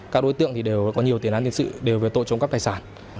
các đối tượng thì đều có nhiều tiền án tiền sự đều về tội trộm cắp tài sản